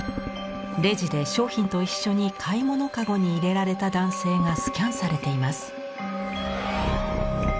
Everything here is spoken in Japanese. レジで商品と一緒に買い物かごに入れられた男性がスキャンされています。